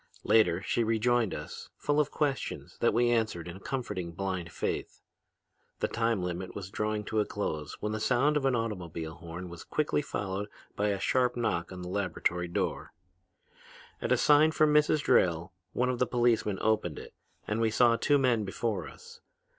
Later she rejoined us, full of questions that we answered in a comforting blind faith. The time limit was drawing to a close when the sound of an automobile horn was quickly followed by a sharp knock on the laboratory door. At a sign from Mrs. Drayle one of the policemen opened it and we saw two men before us.